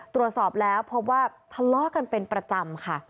ตรวจสอบแล้วพบว่าทะเลาะกันเป็นประจำค่ะ